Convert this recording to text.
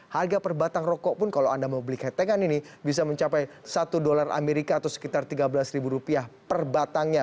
harga perbatang rokok pun kalau anda mau beli ketengan ini bisa mencapai satu dolar amerika atau sekitar rp tiga belas perbatangnya